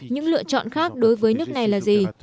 những lựa chọn khác đối với nước này là gì